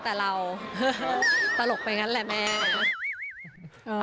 แต่เราตลกไปงั้นแหละแม่